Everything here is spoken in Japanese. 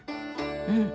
うん。